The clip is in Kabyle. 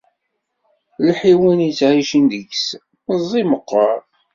Lḥiwan yettɛicin deg-s, meẓẓi meqqer.